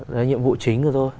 đấy là nhiệm vụ chính của tôi